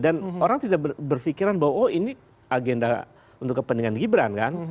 dan orang tidak berpikiran bahwa oh ini agenda untuk kepentingan gibran kan